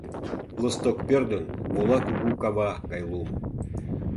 Лосток пӧрдын, вола кугу кава гай лум.